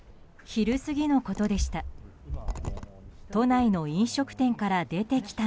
昼過ぎのことでした。